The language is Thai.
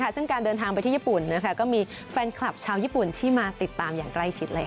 ซึ่งการเดินทางไปที่ญี่ปุ่นก็มีแฟนคลับชาวญี่ปุ่นที่มาติดตามอย่างใกล้ชิด